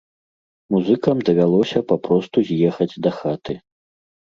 Музыкам давялося папросту з'ехаць дахаты.